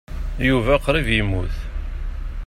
Yuba qrib yemmut.